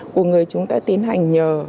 của người chúng ta tiến hành nhờ